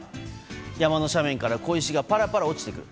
山の斜面から、小石がぱらぱら落ちてくる。